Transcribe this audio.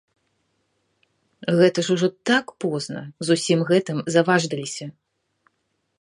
Гэта ж ужо так позна, з усім гэтым заваждаліся.